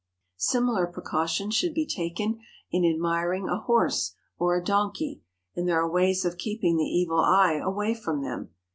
Similar precautions should be taken in admiring a horse or a donkey, and there are ways of keeping the evil eye away from them.